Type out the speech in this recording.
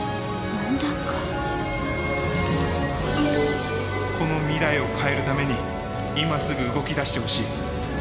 この未来を変えるために今すぐ動きだしてほしい。